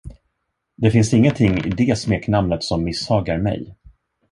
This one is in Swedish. Det finns ingenting i det smeknamnet, som misshagar mig.